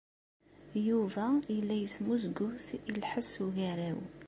Yuba yella yesmuzgut i lḥess ugaraw.